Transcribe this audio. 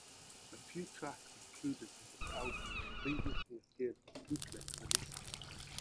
A few tracks included in this album have previously appeared on bootleg releases.